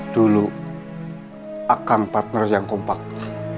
dulu akang partner yang kompak